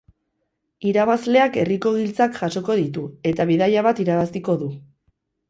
Irabazleak herriko giltzak jasoko ditu, eta bidaia bat irabaziko du.